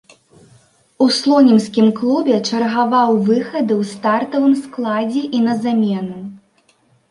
У слонімскім клубе чаргаваў выхады ў стартавым складзе і на замену.